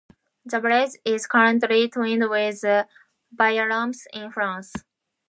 The village is currently twinned with Viarmes in France.